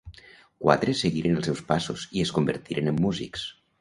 Quatre seguiren els seus passos i es convertiren en músics.